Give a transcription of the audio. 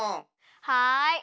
はい。